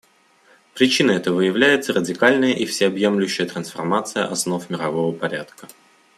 Причиной этого является радикальная и всеобъемлющая трансформация основ мирового порядка.